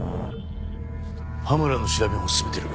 羽村の調べも進めてる。